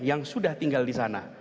yang sudah tinggal disana